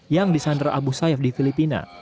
yang di sandera abu sayyaf di filipina